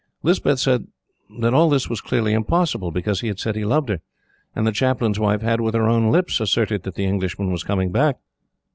Lispeth said that all this was clearly impossible, because he had said he loved her, and the Chaplain's wife had, with her own lips, asserted that the Englishman was coming back.